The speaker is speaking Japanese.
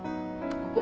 ここ。